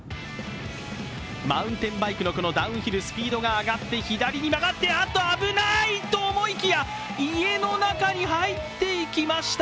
マウンテンバイクのダウンヒル、スピードが上がって左に曲がって、あっと危ない！と思いきや、家の中に入っていきました！